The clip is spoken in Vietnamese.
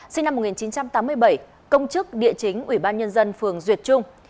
sinh năm một nghìn chín trăm tám mươi bảy công chức địa chính ủy ban nhân dân phường duyệt trung